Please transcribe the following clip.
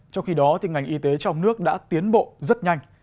trong khi đó ngành y tế trong nước đã tiến bộ rất nhanh